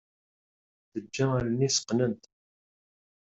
Teǧǧa allen-is qqnent.